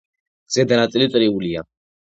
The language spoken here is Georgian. ზედა ნაწილი წრიულია.